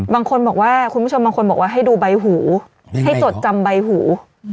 บางคนบอกว่าคุณผู้ชมบางคนบอกว่าให้ดูใบหูให้จดจำใบหู